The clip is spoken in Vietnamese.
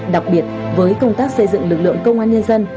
đặc biệt với công tác xây dựng lực lượng công an nhân dân